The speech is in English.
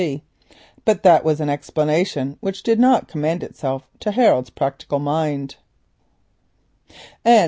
B.C., but this was an explanation which did not commend itself to Harold's practical mind.